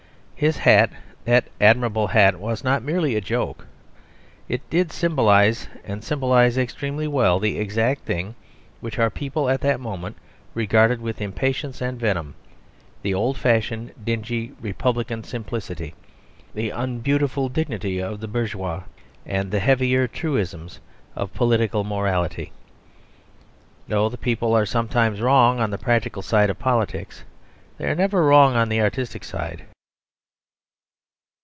His hat (that admirable hat) was not merely a joke. It did symbolise, and symbolise extremely well, the exact thing which our people at that moment regarded with impatience and venom; the old fashioned, dingy, Republican simplicity, the unbeautiful dignity of the bourgeois, and the heavier truisms of political morality. No; the people are sometimes wrong on the practical side of politics; they are never wrong on the artistic side.